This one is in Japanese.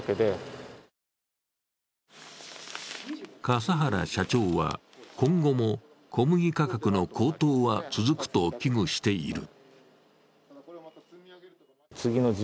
笠原社長は、今後も小麦価格の高騰は続くと危惧している。